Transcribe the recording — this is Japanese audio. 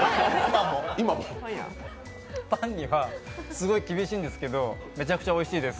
パンにはすごい厳しいんですけどめちゃくちゃおいしいです。